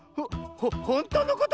ほほんとうのこと⁉